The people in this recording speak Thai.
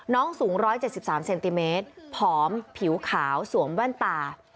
สูง๑๗๓เซนติเมตรผอมผิวขาวสวมแว่นตา